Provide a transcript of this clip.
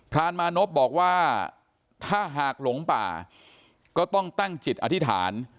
รานมานพบอกว่าถ้าหากหลงป่าก็ต้องตั้งจิตอธิษฐาน